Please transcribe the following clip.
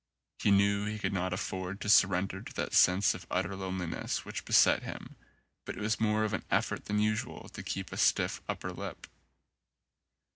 He knew he could not afford to surrender to that sense of utter loneliness which beset him, but it was more of an effort than usual to keep a stiff upper lip.